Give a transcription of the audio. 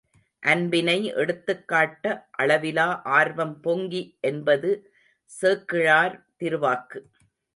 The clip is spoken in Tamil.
அன்பினை எடுத்துக் காட்ட அளவிலா ஆர்வம் பொங்கி என்பது சேக்கிழார் திருவாக்கு.